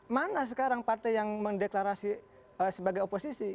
mana sekarang partai yang mendeklarasi sebagai oposisi